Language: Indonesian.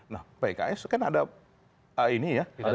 nah pks kan ada ini ya